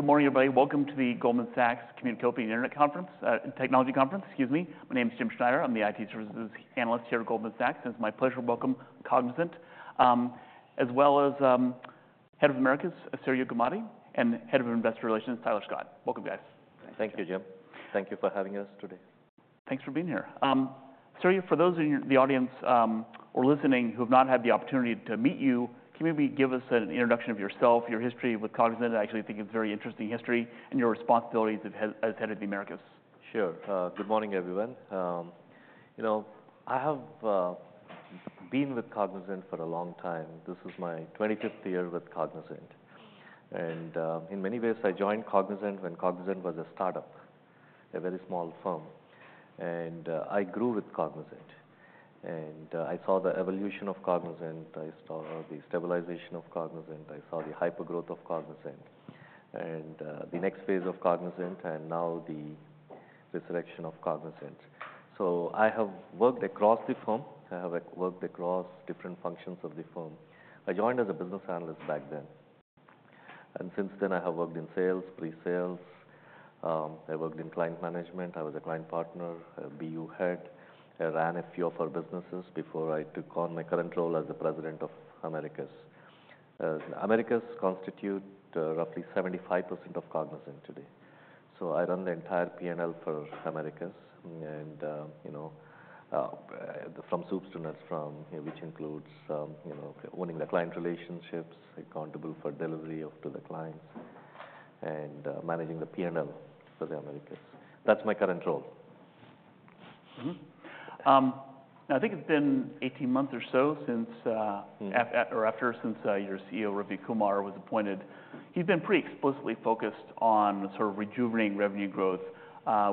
Good morning, everybody. Welcome to the Goldman Sachs Communications and Internet Conference, Technology Conference. Excuse me. My name is Jim Schneider. I'm the IT services analyst here at Goldman Sachs, and it's my pleasure to welcome Cognizant, as well as, Head of Americas, Surya Gummadi, and Head of Investor Relations, Tyler Scott. Welcome, guys. Thank you, Jim. Thank you for having us today. Thanks for being here. Surya, for those in the audience, or listening, who have not had the opportunity to meet you, can you maybe give us an introduction of yourself, your history with Cognizant? I actually think it's a very interesting history, and your responsibilities as head of the Americas. Sure. Good morning, everyone. You know, I have been with Cognizant for a long time. This is my 25th year with Cognizant, and in many ways, I joined Cognizant when Cognizant was a startup, a very small firm, and I grew with Cognizant, and I saw the evolution of Cognizant, I saw the stabilization of Cognizant, I saw the hypergrowth of Cognizant, and the next phase of Cognizant, and now the resurrection of Cognizant, so I have worked across the firm. I have worked across different functions of the firm. I joined as a business analyst back then, and since then, I have worked in sales, pre-sales, I worked in client management. I was a client partner, a BU head. I ran a few of our businesses before I took on my current role as the President of Americas. Americas constitute roughly 75% of Cognizant today. So I run the entire P&L for Americas, and you know, from soup to nuts, which includes you know, owning the client relationships, accountable for delivery of to the clients, and managing the P&L for the Americas. That's my current role. Mm-hmm. I think it's been eighteen months or so since, Mm. After, since your CEO, Ravi Kumar, was appointed. He's been pretty explicitly focused on sort of rejuvenating revenue growth.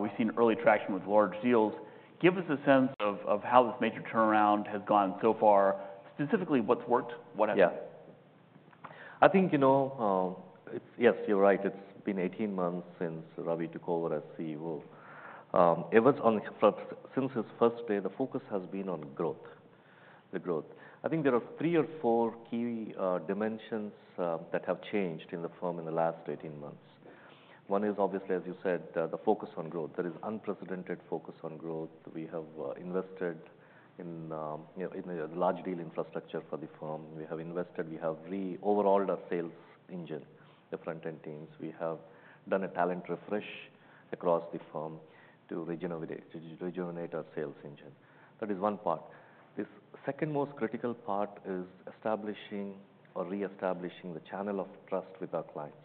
We've seen early traction with large deals. Give us a sense of how this major turnaround has gone so far, specifically, what's worked, what hasn't? Yeah. I think, you know, it's... Yes, you're right. It's been eighteen months since Ravi took over as CEO. But since his first day, the focus has been on growth, the growth. I think there are three or four key dimensions that have changed in the firm in the last eighteen months. One is obviously, as you said, the focus on growth. There is unprecedented focus on growth. We have invested in, you know, in a large deal infrastructure for the firm. We have invested. We have re-overhauled our sales engine, the front-end teams. We have done a talent refresh across the firm to regenerate, to rejuvenate our sales engine. That is one part. The second most critical part is establishing or reestablishing the channel of trust with our clients.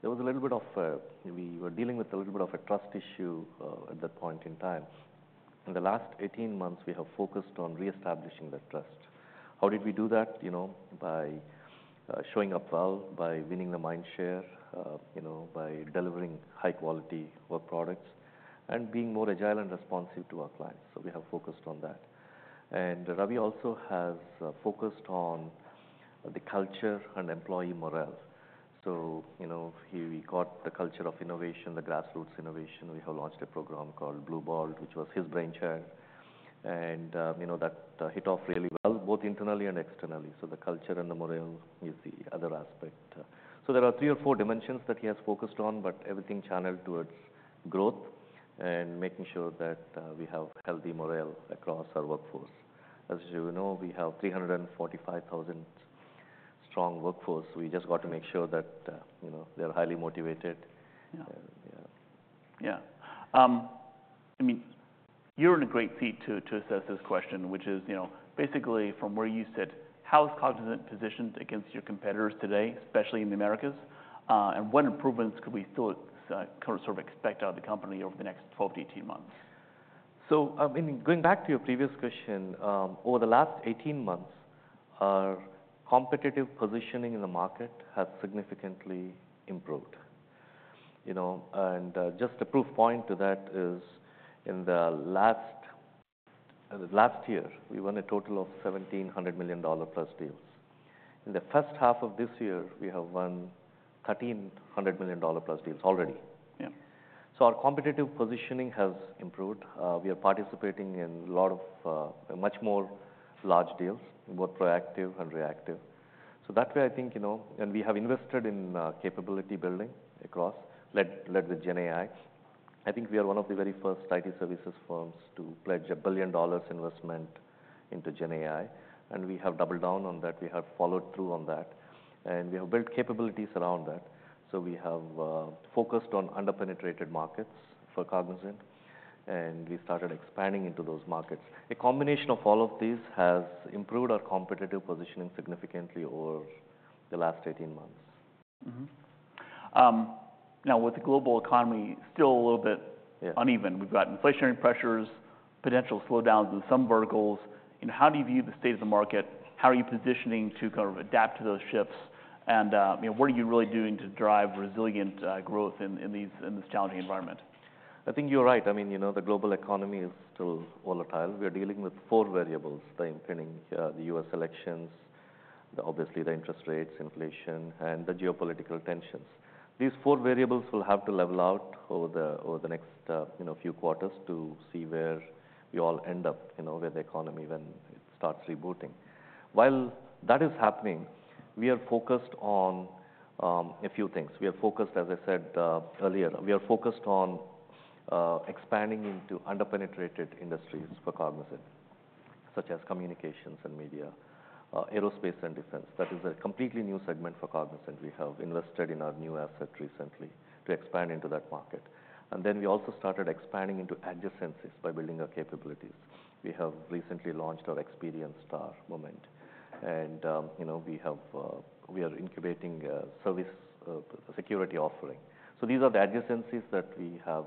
There was a little bit of... We were dealing with a little bit of a trust issue at that point in time. In the last eighteen months, we have focused on reestablishing that trust. How did we do that? You know, by showing up well, by winning the mind share, you know, by delivering high-quality work products, and being more agile and responsive to our clients, so we have focused on that, and Ravi also has focused on the culture and employee morale, so you know, he caught the culture of innovation, the grassroots innovation. We have launched a program called Bluebolt, which was his brainchild, and you know, that hit off really well, both internally and externally, so the culture and the morale is the other aspect. So there are three or four dimensions that he has focused on, but everything channeled towards growth and making sure that we have healthy morale across our workforce. As you know, we have 345,000-strong workforce. We just got to make sure that you know, they're highly motivated. Yeah. Yeah. Yeah. I mean, you're in a great seat to assess this question, which is, you know, basically from where you sit, how is Cognizant positioned against your competitors today, especially in the Americas? And what improvements could we still sort of expect out of the company over the next twelve to eighteen months? I mean, going back to your previous question, over the last eighteen months, our competitive positioning in the market has significantly improved. You know, and just a proof point to that is in the last year, we won a total of 1,700 $1 million-plus deals. In the first half of this year, we have won 1,300 $1 million-plus deals already. Yeah. Our competitive positioning has improved. We are participating in a lot of much more large deals, both proactive and reactive. That way, I think, you know. We have invested in capability building across led with GenAI. I think we are one of the very first IT services firms to pledge $1 billion investment into GenAI, and we have doubled down on that. We have followed through on that, and we have built capabilities around that. We have focused on under-penetrated markets for Cognizant, and we started expanding into those markets. A combination of all of these has improved our competitive positioning significantly over the last eighteen months. Mm-hmm. Now, with the global economy still a little bit- Yeah... uneven, we've got inflationary pressures, potential slowdowns in some verticals. You know, how do you view the state of the market? How are you positioning to kind of adapt to those shifts? And, you know, what are you really doing to drive resilient growth in this challenging environment? I think you're right. I mean, you know, the global economy is still volatile. We are dealing with four variables: the impending U.S. elections, obviously the interest rates, inflation, and the geopolitical tensions. These four variables will have to level out over the next, you know, few quarters to see where we all end up, you know, where the economy, when it starts rebooting... While that is happening, we are focused on a few things. We are focused, as I said, earlier, on expanding into under-penetrated industries for Cognizant, such as communications and media, aerospace and defense. That is a completely new segment for Cognizant. We have invested in our new asset recently to expand into that market. Then we also started expanding into adjacencies by building our capabilities. We have recently launched our Experience Star moment, and, you know, we have, we are incubating a cybersecurity offering. So these are the adjacencies that we have,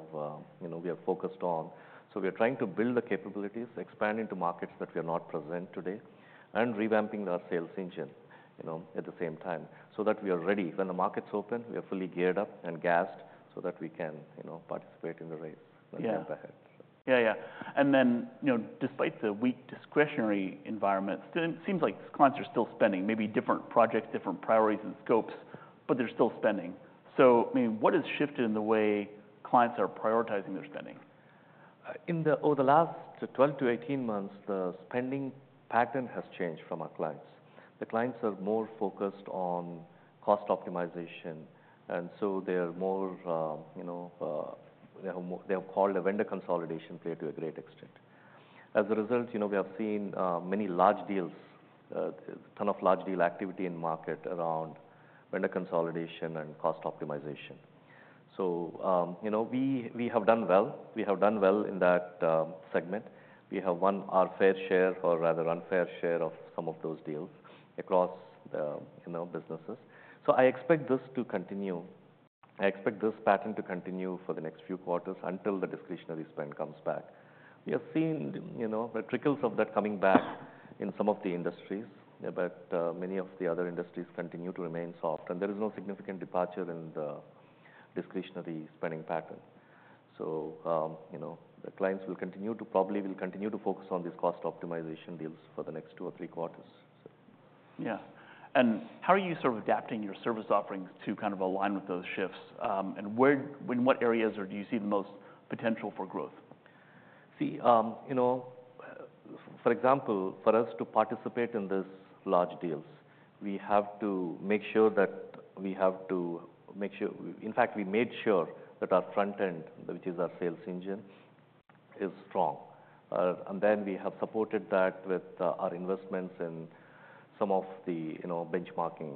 you know, we are focused on. So we are trying to build the capabilities, expand into markets that we are not present today, and revamping our sales engine, you know, at the same time, so that we are ready. When the markets open, we are fully geared up and gassed so that we can, you know, participate in the race- Yeah. When we get ahead. Yeah, yeah. And then, you know, despite the weak discretionary environment, still it seems like clients are still spending, maybe different projects, different priorities and scopes, but they're still spending. So, I mean, what has shifted in the way clients are prioritizing their spending? Over the last 12-18 months, the spending pattern has changed from our clients. The clients are more focused on cost optimization, and so they are more, you know, they have more - they are called a vendor consolidation play to a great extent. As a result, you know, we have seen many large deals, ton of large deal activity in market around vendor consolidation and cost optimization. So, you know, we have done well. We have done well in that segment. We have won our fair share, or rather unfair share, of some of those deals across the, you know, businesses. So I expect this to continue. I expect this pattern to continue for the next few quarters until the discretionary spend comes back. We have seen, you know, the trickles of that coming back in some of the industries, but, many of the other industries continue to remain soft, and there is no significant departure in the discretionary spending pattern. So, you know, the clients probably will continue to focus on these cost optimization deals for the next two or three quarters. Yeah. And how are you sort of adapting your service offerings to kind of align with those shifts? And where, in what areas do you see the most potential for growth? See, you know, for example, for us to participate in these large deals, we have to make sure that, in fact, we made sure that our front end, which is our sales engine, is strong, and then we have supported that with our investments in some of the, you know, benchmarking,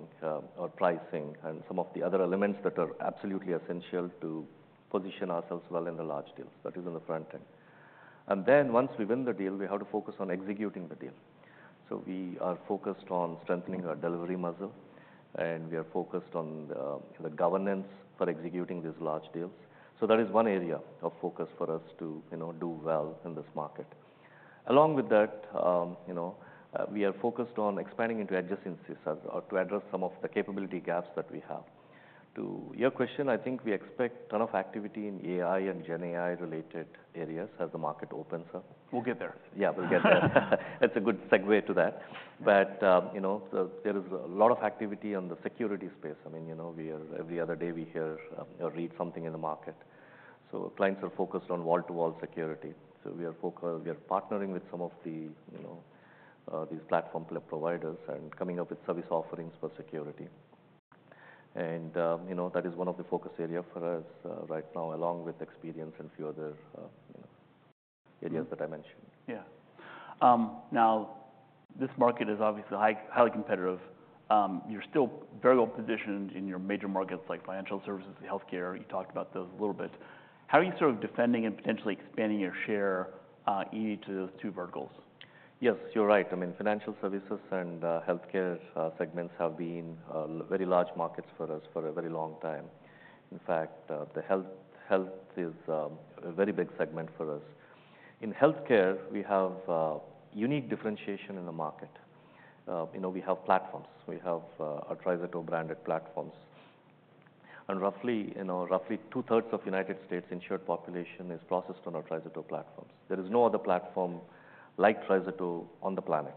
or pricing, and some of the other elements that are absolutely essential to position ourselves well in the large deals. That is on the front end, and then once we win the deal, we have to focus on executing the deal, so we are focused on strengthening our delivery muscle, and we are focused on the governance for executing these large deals, so that is one area of focus for us to, you know, do well in this market. Along with that, you know, we are focused on expanding into adjacencies or to address some of the capability gaps that we have. To your question, I think we expect a ton of activity in AI and GenAI-related areas as the market opens up. We'll get there. Yeah, we'll get there. That's a good segue to that. But you know, there is a lot of activity on the security space. I mean, you know, every other day we hear or read something in the market. So clients are focused on wall-to-wall security. So we are partnering with some of the, you know, these platform providers and coming up with service offerings for security. And you know, that is one of the focus area for us right now, along with experience and few other, you know, areas that I mentioned. Yeah. Now, this market is obviously highly competitive. You're still very well positioned in your major markets, like financial services and healthcare. You talked about those a little bit. How are you sort of defending and potentially expanding your share in each of those two verticals? Yes, you're right. I mean, financial services and, healthcare, segments have been, very large markets for us for a very long time. In fact, the health, health is, a very big segment for us. In healthcare, we have, unique differentiation in the market. You know, we have platforms. We have, our TriZetto branded platforms, and roughly, you know, roughly two-thirds of United States' insured population is processed on our TriZetto platforms. There is no other platform like TriZetto on the planet.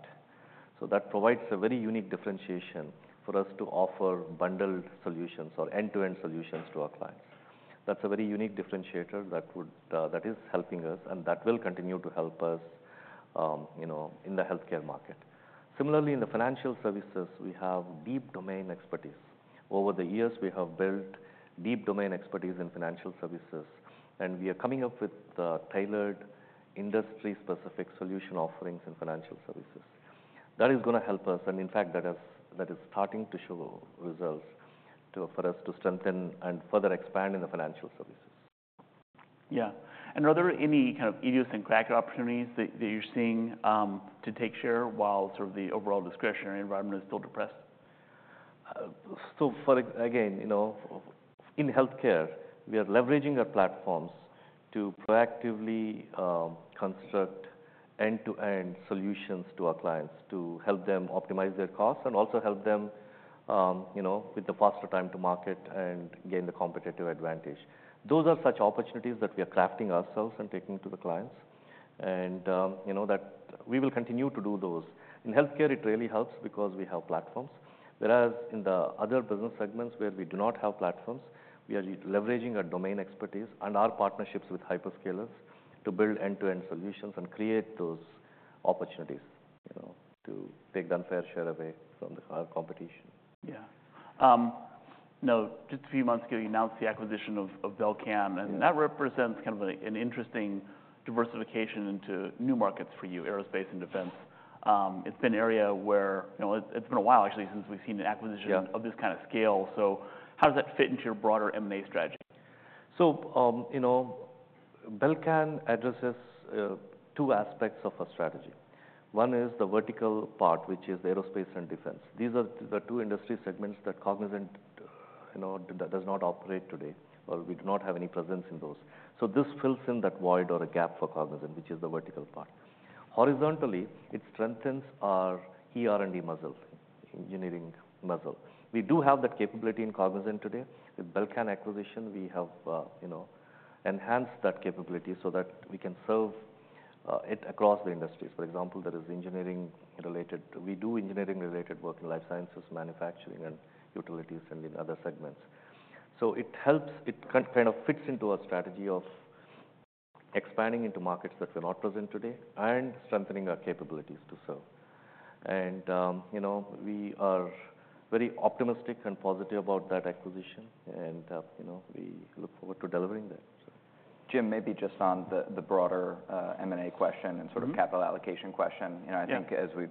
So that provides a very unique differentiation for us to offer bundled solutions or end-to-end solutions to our clients. That's a very unique differentiator that would, that is helping us, and that will continue to help us, you know, in the healthcare market. Similarly, in the financial services, we have deep domain expertise. Over the years, we have built deep domain expertise in financial services, and we are coming up with tailored industry-specific solution offerings in financial services. That is gonna help us, and in fact, that is starting to show results for us to strengthen and further expand in the financial services. Yeah. And are there any kind of immediate capture opportunities that you're seeing to take share while sort of the overall discretionary environment is still depressed? Again, you know, in healthcare, we are leveraging our platforms to proactively construct end-to-end solutions to our clients to help them optimize their costs and also help them, you know, with the faster time to market and gain the competitive advantage. Those are such opportunities that we are crafting ourselves and taking to the clients, and, you know, that we will continue to do those. In healthcare, it really helps because we have platforms, whereas in the other business segments where we do not have platforms, we are leveraging our domain expertise and our partnerships with hyperscalers to build end-to-end solutions and create those opportunities, you know, to take the unfair share away from the competition. Yeah. Now, just a few months ago, you announced the acquisition of Belcan- Yeah. -and that represents kind of an interesting diversification into new markets for you, aerospace and defense. It's been an area where, you know, it's been a while, actually, since we've seen an acquisition- Yeah... of this kind of scale. So how does that fit into your broader M&A strategy? So, you know, Belcan addresses two aspects of our strategy. One is the vertical part, which is aerospace and defense. These are the two industry segments that Cognizant, you know, does not operate today, or we do not have any presence in those. So this fills in that void or a gap for Cognizant, which is the vertical part. Horizontally, it strengthens our ER&D muscle, engineering muscle. We do have that capability in Cognizant today. With Belcan acquisition, we have, you know, enhanced that capability so that we can serve it across the industries. For example, there is engineering related... We do engineering related work in life sciences, manufacturing, and utilities, and in other segments. So it helps, it kind of fits into our strategy of expanding into markets that we're not present today and strengthening our capabilities to serve. You know, we are very optimistic and positive about that acquisition, and you know, we look forward to delivering that, so. Jim, maybe just on the broader M&A question? Mm-hmm. and sort of capital allocation question? Yeah. You know, I think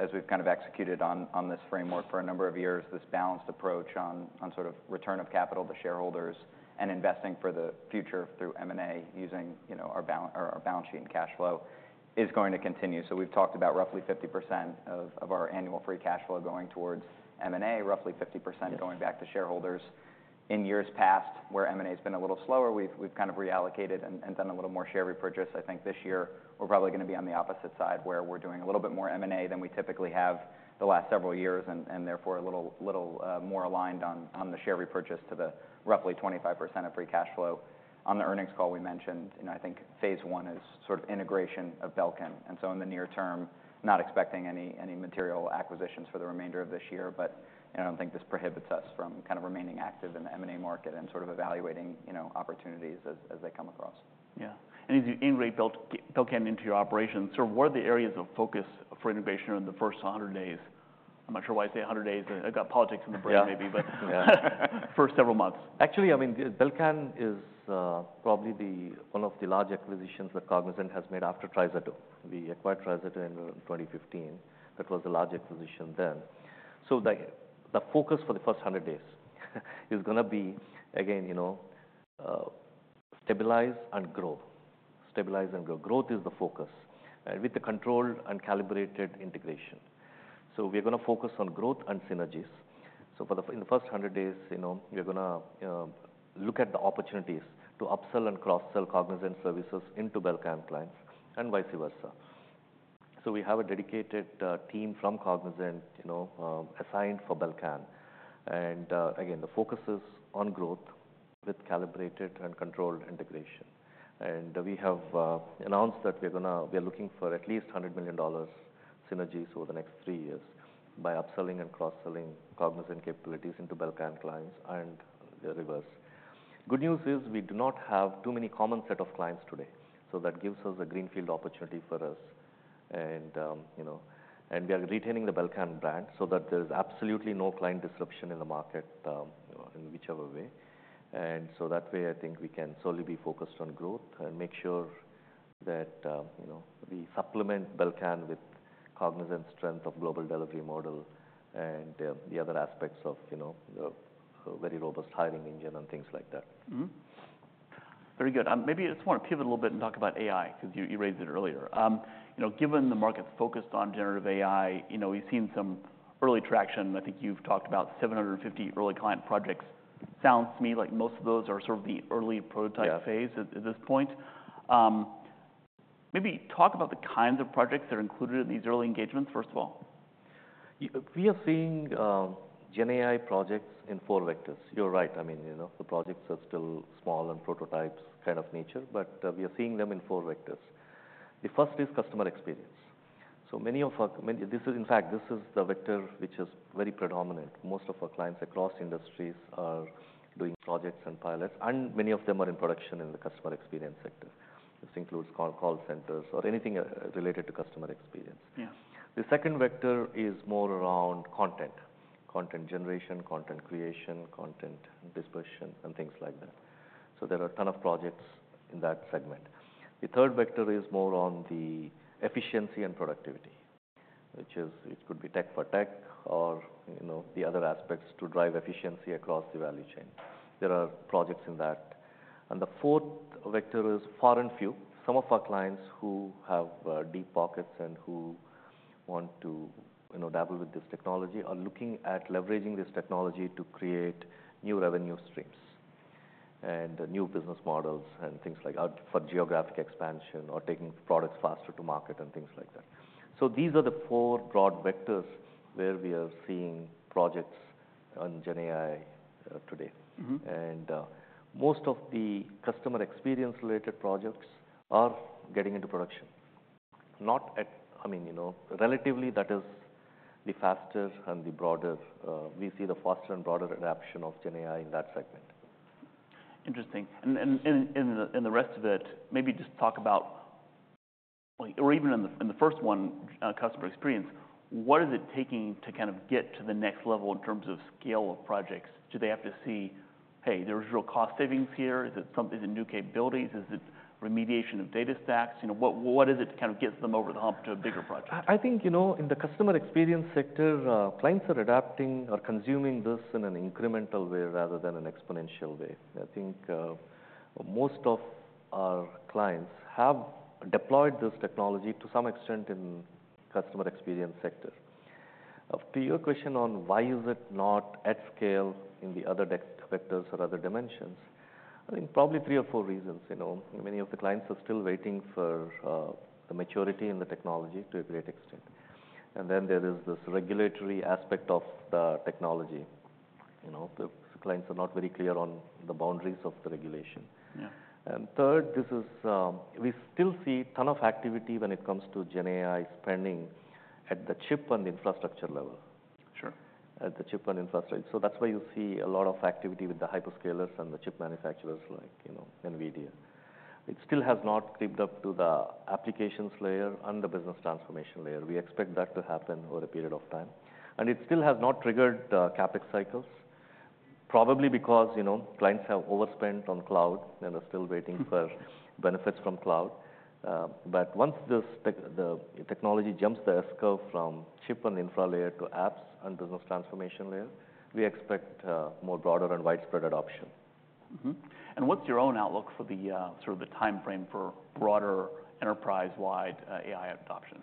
as we've kind of executed on this framework for a number of years, this balanced approach on sort of return of capital to shareholders and investing for the future through M&A using, you know, our balance sheet and cash flow, is going to continue. So we've talked about roughly 50% of our annual free cash flow going towards M&A, roughly 50%- Yeah... going back to shareholders. In years past, where M&A's been a little slower, we've kind of reallocated and done a little more share repurchase. I think this year we're probably gonna be on the opposite side, where we're doing a little bit more M&A than we typically have the last several years, and therefore, a little more aligned on the share repurchase to the roughly 25% of free cash flow. On the earnings call we mentioned, and I think phase one is sort of integration of Belcan, and so in the near term, not expecting any material acquisitions for the remainder of this year. But I don't think this prohibits us from kind of remaining active in the M&A market and sort of evaluating, you know, opportunities as they come across. Yeah. And as you integrate Belcan into your operations, sort of what are the areas of focus for innovation in the first hundred days? I'm not sure why I say a hundred days. I got politics in the brain maybe. Yeah. Yeah. First several months. Actually, I mean, Belcan is probably the one of the large acquisitions that Cognizant has made after TriZetto. We acquired TriZetto in 2015. That was the large acquisition then. So the focus for the first hundred days is gonna be, again, you know, stabilize and grow. Stabilize and grow. Growth is the focus with the controlled and calibrated integration. So we are gonna focus on growth and synergies. In the first hundred days, you know, we are gonna look at the opportunities to upsell and cross-sell Cognizant services into Belcan clients and vice versa. So we have a dedicated team from Cognizant, you know, assigned for Belcan. And again, the focus is on growth with calibrated and controlled integration. We have announced that we are looking for at least $100 million synergies over the next three years by upselling and cross-selling Cognizant capabilities into Belcan clients and the reverse. Good news is, we do not have too many common set of clients today, so that gives us a greenfield opportunity for us. You know, we are retaining the Belcan brand so that there's absolutely no client disruption in the market, in whichever way. So that way, I think we can solely be focused on growth and make sure that, you know, we supplement Belcan with Cognizant's strength of global delivery model, and the other aspects of, you know, the very robust hiring engine and things like that. Mm-hmm. Very good. Maybe I just want to pivot a little bit and talk about AI, because you raised it earlier. You know, given the market's focused on generative AI, you know, we've seen some early traction. I think you've talked about seven hundred and fifty early client projects. Sounds to me like most of those are sort of the early prototype phase- Yeah... at this point. Maybe talk about the kinds of projects that are included in these early engagements, first of all. We are seeing GenAI projects in four vectors. You're right, I mean, you know, the projects are still small and prototypes kind of nature, but we are seeing them in four vectors. The first is customer experience. This is, in fact, the vector which is very predominant. Most of our clients across industries are doing projects and pilots, and many of them are in production in the customer experience sector. This includes call centers or anything related to customer experience. Yeah. The second vector is more around content: content generation, content creation, content dispersion, and things like that. So there are a ton of projects in that segment. The third vector is more on the efficiency and productivity, which is. It could be tech for tech or, you know, the other aspects to drive efficiency across the value chain. There are projects in that. And the fourth vector is few and far between. Some of our clients who have deep pockets and who want to, you know, dabble with this technology, are looking at leveraging this technology to create new revenue streams and new business models and things like for geographic expansion or taking products faster to market and things like that. So these are the four broad vectors where we are seeing projects on GenAI today. Mm-hmm. And, most of the customer experience-related projects are getting into production... not at, I mean, you know, relatively, that is the fastest and the broadest, we see the faster and broader adoption of GenAI in that segment. Interesting. And the rest of it, maybe just talk about, like or even in the first one, customer experience, what is it taking to kind of get to the next level in terms of scale of projects? Do they have to see, "Hey, there's real cost savings here?" Is it something, the new capabilities? Is it remediation of data stacks? You know, what is it that kind of gets them over the hump to a bigger project? I think, you know, in the customer experience sector, clients are adapting or consuming this in an incremental way rather than an exponential way. I think, most of our clients have deployed this technology to some extent in customer experience sector. To your question on why is it not at scale in the other verticals or other dimensions, I think probably three or four reasons, you know. Many of the clients are still waiting for, the maturity and the technology to a great extent. And then there is this regulatory aspect of the technology. You know, the clients are not very clear on the boundaries of the regulation. Yeah. Third, we still see a ton of activity when it comes to GenAI spending at the chip and infrastructure level. Sure. At the chip and infrastructure. So that's why you see a lot of activity with the hyperscalers and the chip manufacturers like, you know, NVIDIA. It still has not crept up to the applications layer and the business transformation layer. We expect that to happen over a period of time. And it still has not triggered CapEx cycles, probably because, you know, clients have overspent on cloud and are still waiting for benefits from cloud. But once this technology jumps the S-curve from chip and infra layer to apps and business transformation layer, we expect more broader and widespread adoption. Mm-hmm. And what's your own outlook for the, sort of the timeframe for broader enterprise-wide, AI adoption?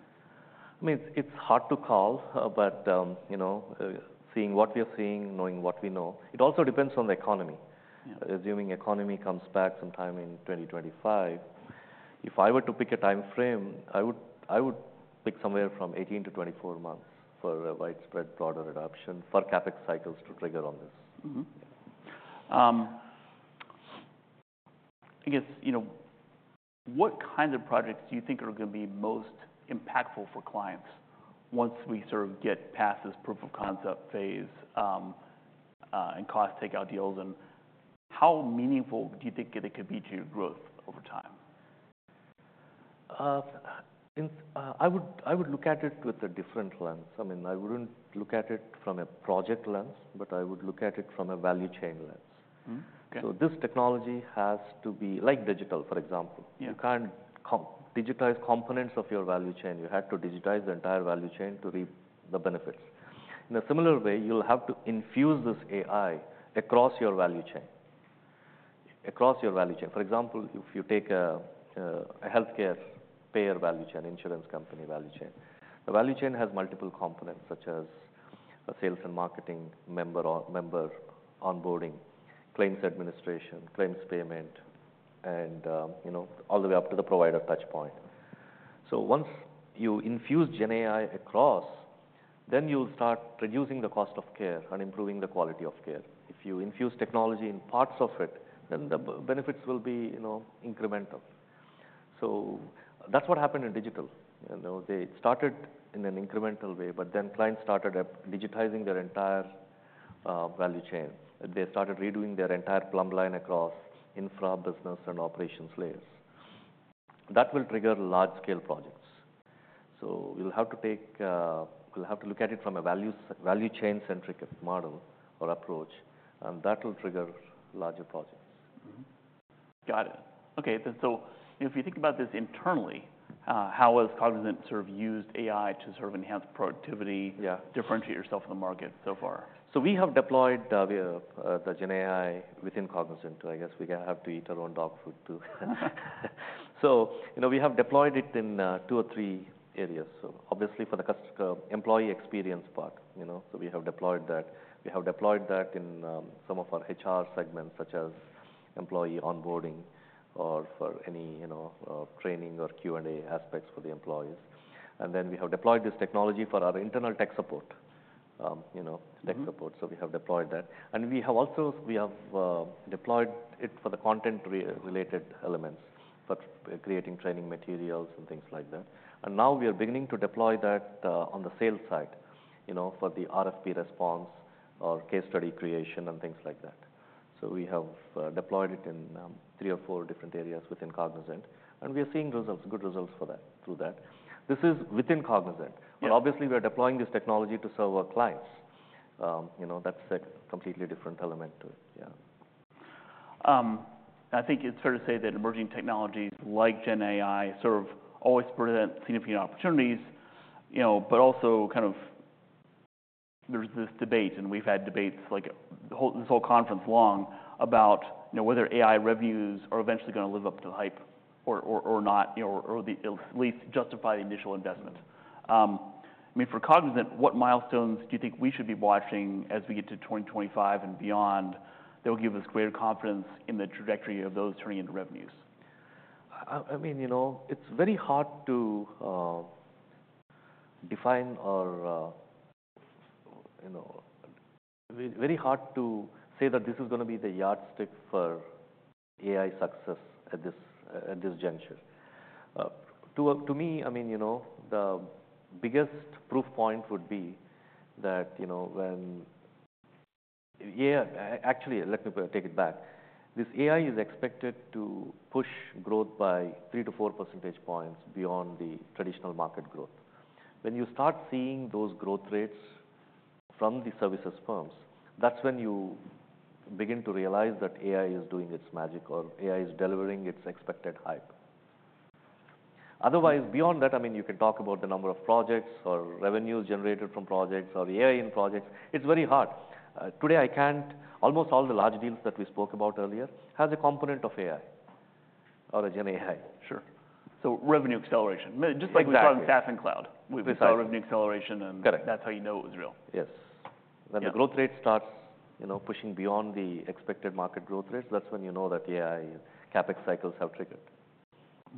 I mean, it's hard to call, but you know, seeing what we are seeing, knowing what we know, it also depends on the economy. Yeah. Assuming economy comes back sometime in 2025, if I were to pick a timeframe, I would, I would pick somewhere from 18-24 months for a widespread broader adoption for CapEx cycles to trigger on this. Mm-hmm. I guess, you know, what kinds of projects do you think are gonna be most impactful for clients once we sort of get past this proof of concept phase, and cost take out deals, and how meaningful do you think it could be to your growth over time? I would look at it with a different lens. I mean, I wouldn't look at it from a project lens, but I would look at it from a value chain lens. Mm-hmm. Okay. This technology has to be like digital, for example. Yeah. You can't digitize components of your value chain. You have to digitize the entire value chain to reap the benefits. In a similar way, you'll have to infuse this AI across your value chain, across your value chain. For example, if you take a healthcare payer value chain, insurance company value chain, the value chain has multiple components, such as sales and marketing, member onboarding, claims administration, claims payment, and you know, all the way up to the provider touch point. So once you infuse GenAI across, then you'll start reducing the cost of care and improving the quality of care. If you infuse technology in parts of it, then the benefits will be, you know, incremental. So that's what happened in digital. You know, they started in an incremental way, but then clients started digitizing their entire value chain. They started redoing their entire plumbing across infra business and operations layers. That will trigger large-scale projects. So we'll have to look at it from a value chain-centric model or approach, and that will trigger larger projects. Mm-hmm. Got it. Okay, then so if you think about this internally, how has Cognizant sort of used AI to sort of enhance productivity? Yeah... differentiate yourself in the market so far? So we have deployed the GenAI within Cognizant, so I guess we gonna have to eat our own dog food, too. So, you know, we have deployed it in two or three areas. So obviously, for the employee experience part, you know, so we have deployed that. We have deployed that in some of our HR segments, such as employee onboarding or for any, you know, training or Q&A aspects for the employees. And then we have deployed this technology for our internal tech support, you know. Mm-hmm... tech support, so we have deployed that, and we have also deployed it for the content-related elements, for creating training materials and things like that, and now we are beginning to deploy that on the sales side, you know, for the RFP response or case study creation and things like that, so we have deployed it in three or four different areas within Cognizant, and we are seeing results, good results for that through that. This is within Cognizant. Yeah. But obviously, we are deploying this technology to serve our clients. You know, that's a completely different element to it. Yeah. I think it's fair to say that emerging technologies like GenAI sort of always present significant opportunities, you know, but also kind of, there's this debate, and we've had debates like the whole conference long, about, you know, whether AI revenues are eventually gonna live up to the hype or not, you know, or at least justify the initial investment. I mean, for Cognizant, what milestones do you think we should be watching as we get to 2025 and beyond, that will give us greater confidence in the trajectory of those turning into revenues? I mean, you know, it's very hard to define or, you know, very, very hard to say that this is gonna be the yardstick for AI success at this, at this juncture. To me, I mean, you know, the biggest proof point would be that, you know. Yeah, actually, let me take it back. This AI is expected to push growth by 3-4 percentage points beyond the traditional market growth. When you start seeing those growth rates from the services firms, that's when you begin to realize that AI is doing its magic or AI is delivering its expected hype. Otherwise, beyond that, I mean, you can talk about the number of projects or revenues generated from projects or the AI in projects. It's very hard. Almost all the large deals that we spoke about earlier has a component of AI or a GenAI. Sure, so revenue acceleration- Exactly. just like we saw in SaaS and cloud. Exactly. We saw revenue acceleration, and- Correct... that's how you know it was real. Yes. Yeah. When the growth rate starts, you know, pushing beyond the expected market growth rates, that's when you know that AI CapEx cycles have triggered.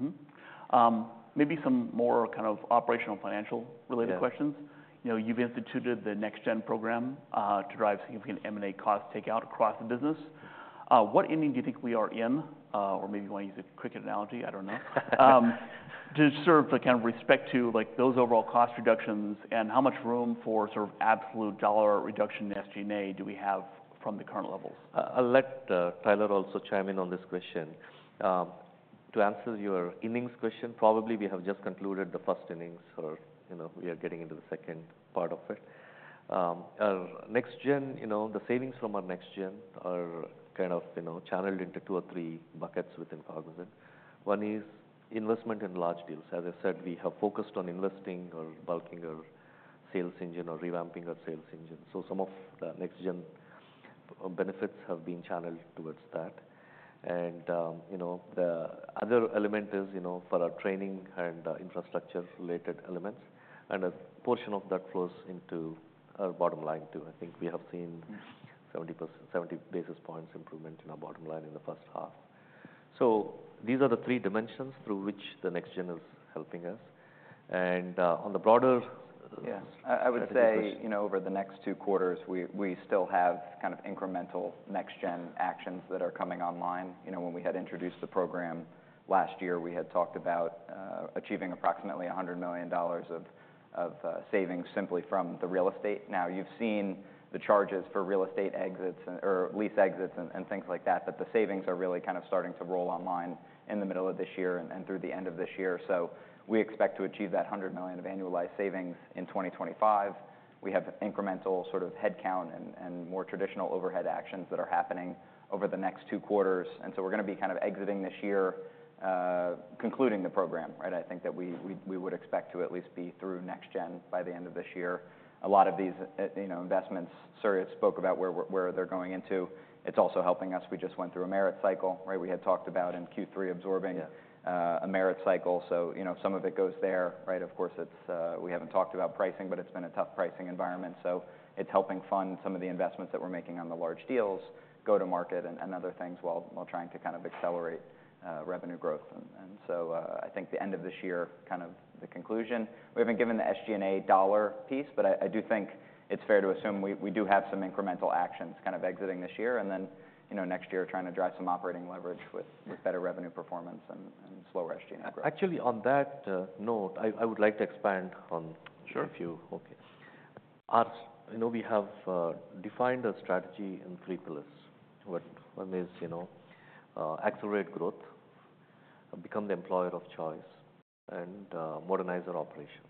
Mm-hmm. Maybe some more kind of operational, financial-related questions. Yeah. You know, you've instituted the NextGen program, to drive significant M&A cost takeout across the business. What inning do you think we are in? Or maybe you wanna use a cricket analogy, I don't know. To serve the kind of respect to, like, those overall cost reductions, and how much room for sort of absolute dollar reduction in SG&A do we have from the current levels? I'll let Tyler also chime in on this question. To answer your innings question, probably we have just concluded the first innings, or, you know, we are getting into the second part of it. NextGen, you know, the savings from our NextGen are kind of, you know, channeled into two or three buckets within P&L. One is investment in large deals. As I said, we have focused on investing or bulking our sales engine or revamping our sales engine. So some of the NextGen benefits have been channeled towards that. And, you know, the other element is, you know, for our training and infrastructure-related elements, and a portion of that flows into our bottom line, too. I think we have seen seventy basis points improvement in our bottom line in the first half. So these are the three dimensions through which the NextGen is helping us. And, on the broader- Yeah, I would say- That's a good question.... you know, over the next two quarters, we still have kind of incremental NextGen actions that are coming online. You know, when we had introduced the program last year, we had talked about achieving approximately $100 million of savings simply from the real estate. Now, you've seen the charges for real estate exits and or lease exits and things like that, but the savings are really kind of starting to roll online in the middle of this year and through the end of this year. So we expect to achieve that $100 million of annualized savings in 2025. We have incremental sort of headcount and more traditional overhead actions that are happening over the next two quarters, and so we're gonna be kind of exiting this year, concluding the program, right? I think that we would expect to at least be through NextGen by the end of this year. A lot of these, you know, investments Surya spoke about where they're going into. It's also helping us. We just went through a merit cycle, right? We had talked about in Q3 absorbing- Yeah a merit cycle, so, you know, some of it goes there, right? Of course, it's. We haven't talked about pricing, but it's been a tough pricing environment. So it's helping fund some of the investments that we're making on the large deals go to market and other things, while trying to kind of accelerate revenue growth. I think the end of this year, kind of the conclusion. We haven't given the SG&A dollar piece, but I do think it's fair to assume we do have some incremental actions kind of exiting this year and then, you know, next year trying to drive some operating leverage with- Yeah... with better revenue performance and slower SG&A growth. Actually, on that note, I, I would like to expand on- Sure... a few. Okay. You know, we have defined our strategy in three pillars. What, one is, you know, accelerate growth, become the employer of choice, and modernize our operations.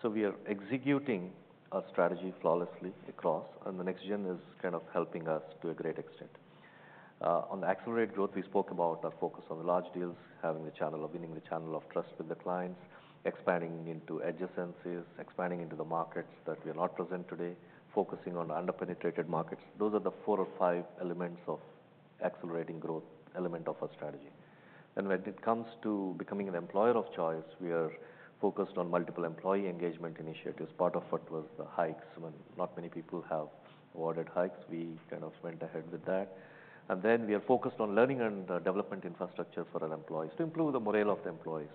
So we are executing our strategy flawlessly across, and the NextGen is kind of helping us to a great extent. On the accelerate growth, we spoke about our focus on large deals, having the channel or winning the channel of trust with the clients, expanding into adjacencies, expanding into the markets that we are not present today, focusing on underpenetrated markets. Those are the four or five elements of accelerating growth, element of our strategy. And when it comes to becoming an employer of choice, we are focused on multiple employee engagement initiatives. Part of what was the hikes, when not many people have awarded hikes, we kind of went ahead with that. And then we are focused on learning and development infrastructure for our employees to improve the morale of the employees.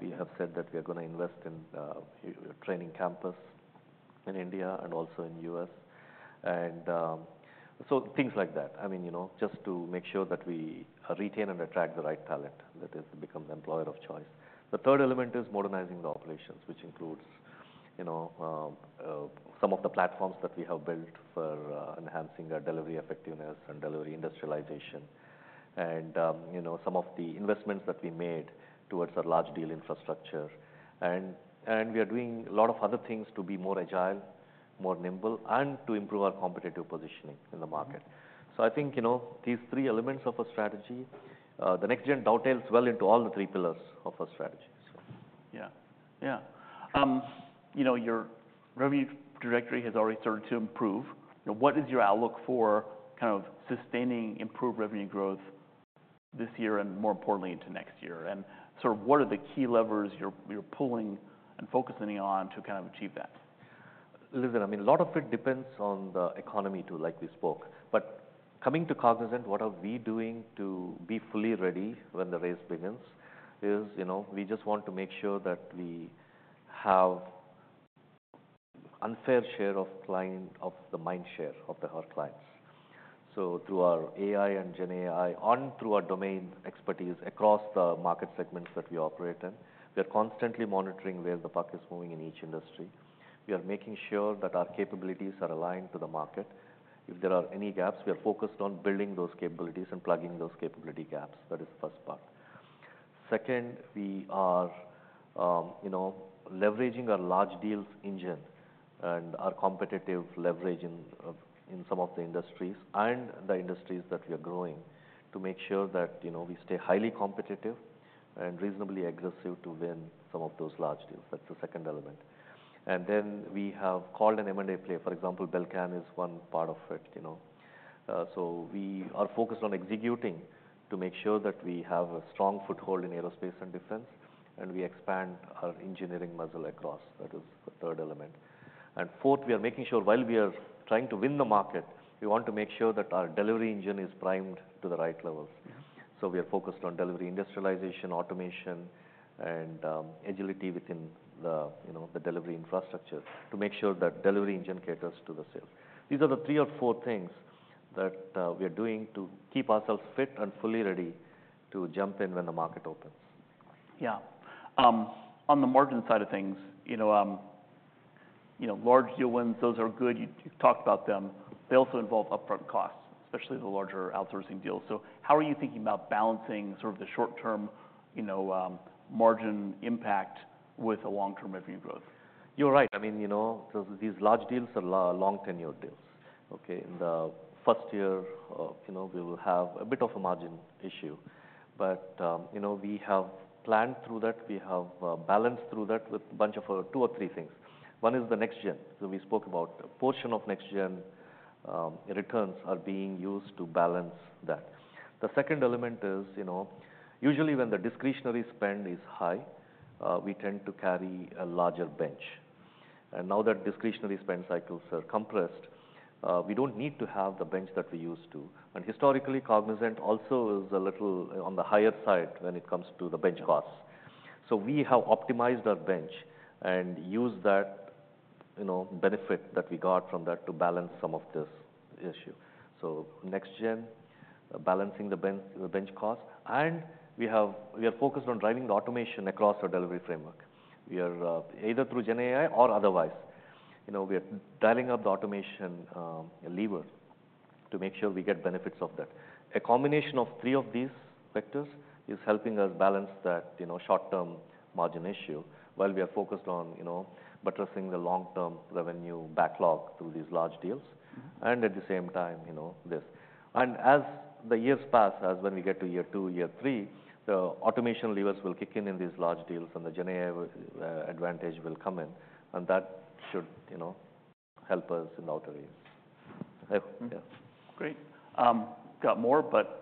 We have said that we are gonna invest in a training campus in India and also in U.S. And so things like that. I mean, you know, just to make sure that we retain and attract the right talent, that is, become the employer of choice. The third element is modernizing the operations, which includes, you know, some of the platforms that we have built for enhancing our delivery effectiveness and delivery industrialization. And you know, some of the investments that we made towards our large deal infrastructure. And we are doing a lot of other things to be more agile, more nimble, and to improve our competitive positioning in the market. Mm-hmm. So I think, you know, these three elements of a strategy, the NextGen dovetails well into all the three pillars of our strategy, so. Yeah. Yeah. You know, your revenue trajectory has already started to improve. You know, what is your outlook for kind of sustaining improved revenue growth this year, and more importantly, into next year? And sort of what are the key levers you're pulling and focusing on to kind of achieve that?... Listen, I mean, a lot of it depends on the economy, too, like we spoke. But coming to Cognizant, what are we doing to be fully ready when the race begins is, you know, we just want to make sure that we have unfair share of client, of the mind share of the, our clients. So through our AI and GenAI, and through our domain expertise across the market segments that we operate in, we are constantly monitoring where the puck is moving in each industry. We are making sure that our capabilities are aligned to the market. If there are any gaps, we are focused on building those capabilities and plugging those capability gaps. That is the first part. Second, we are, you know, leveraging our large deals engine and our competitive leverage in some of the industries that we are growing, to make sure that, you know, we stay highly competitive and reasonably aggressive to win some of those large deals. That's the second element. And then we have called an M&A player. For example, Belcan is one part of it, you know? So we are focused on executing to make sure that we have a strong foothold in aerospace and defense, and we expand our engineering muscle across. That is the third element. And fourth, we are making sure while we are trying to win the market, we want to make sure that our delivery engine is primed to the right levels. We are focused on delivery, industrialization, automation, and agility within the, you know, the delivery infrastructure to make sure that delivery engine caters to the sales. These are the three or four things that we are doing to keep ourselves fit and fully ready to jump in when the market opens. Yeah. On the margin side of things, you know, you know, large deal wins, those are good. You've talked about them. They also involve upfront costs, especially the larger outsourcing deals. So how are you thinking about balancing sort of the short-term, you know, margin impact with a long-term revenue growth? You're right. I mean, you know, so these large deals are long tenure deals, okay? In the first year, you know, we will have a bit of a margin issue, but, you know, we have planned through that. We have balanced through that with a bunch of two or three things. One is the next gen. So we spoke about a portion of next gen returns are being used to balance that. The second element is, you know, usually when the discretionary spend is high, we tend to carry a larger bench. And now that discretionary spend cycles are compressed, we don't need to have the bench that we used to. And historically, Cognizant also is a little on the higher side when it comes to the bench costs. So we have optimized our bench and used that, you know, benefit that we got from that to balance some of this issue. NextGen, balancing the bench, the bench cost, and we have, we are focused on driving the automation across our delivery framework. We are either through GenAI or otherwise, you know, we are dialing up the automation lever to make sure we get benefits of that. A combination of three of these vectors is helping us balance that, you know, short-term margin issue while we are focused on, you know, buttressing the long-term revenue backlog through these large deals. Mm-hmm. And at the same time, you know, this. And as the years pass, as when we get to year two, year three, the automation levers will kick in in these large deals, and the GenAI advantage will come in, and that should, you know, help us in all the ways. Great. Got more, but-